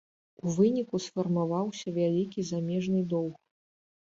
У выніку сфармаваўся вялікі замежны доўг.